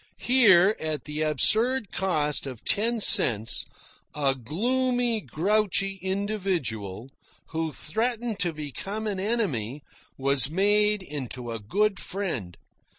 Here, at the absurd cost of ten cents, a gloomy, grouchy individual, who threatened to become an enemy, was made into a good friend.